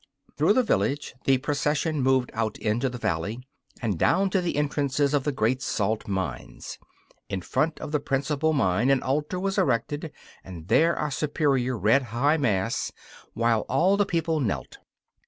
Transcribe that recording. Through the village the procession moved out into the valley and down to the entrances of the great salt mines. In front of the principal mine an altar was erected, and there our Superior read high mass, while all the people knelt.